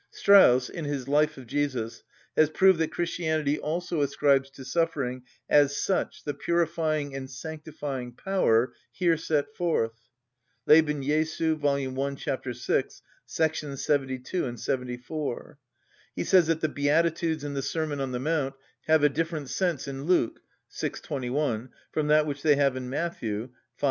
Strauss, in his "Life of Jesus," has proved that Christianity also ascribes to suffering as such the purifying and sanctifying power here set forth (Leben Jesu, vol. i. ch. 6, §§ 72 and 74). He says that the beatitudes in the Sermon on the Mount have a different sense in Luke (vi. 21) from that which they have in Matt. (v.